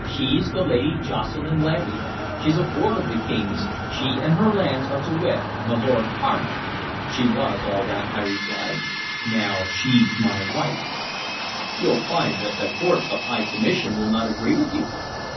She's the Lady Jocelyn Leigh; she 's a ward of the King's; she and her lands are to wed my Lord Carnal!" "She was all that," I replied. "Now she 's my wife." "You'll find that the Court of High Commission will not agree with you."